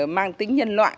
mang tính nhân loại